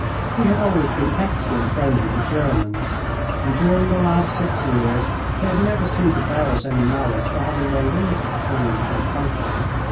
We had always been excellent friends with the Germans, and during the last six years they had never seemed to bear us any malice for having made a little free with their country.